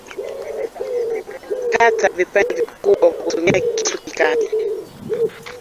kata vipande vikubwa kwa kutumia kisu kikali